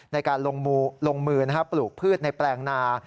ในการลงมือปลูกพืชในแปลงนา